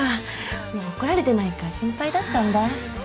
もう怒られてないか心配だったんだ。